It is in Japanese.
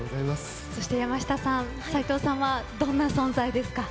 山下さん齋藤さんはどんな存在ですか？